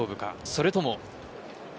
それとも。